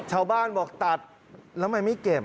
ชาวบ้านบอกตัดแล้วทำไมไม่เก็บ